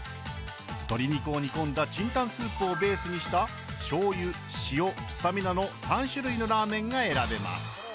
鶏肉を煮込んだチンタンスープをベースにしたしょうゆ、塩、スタミナの３種類のラーメンが選べます。